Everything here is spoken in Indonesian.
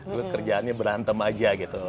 dulu kerjaannya berantem aja gitu